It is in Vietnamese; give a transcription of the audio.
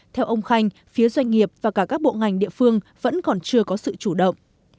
theo ông khanh phía doanh nghiệp và cả các bộ ngành địa phương vẫn còn chưa có sự chủ động